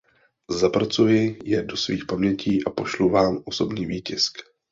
Zapracuji je do svých pamětí a pošlu vám osobní výtisk.